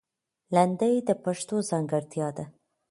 لندۍ د پښتو ځانګړتیا ده